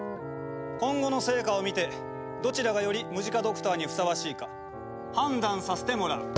今後の成果を見てどちらがよりムジカドクターにふさわしいか判断させてもらう。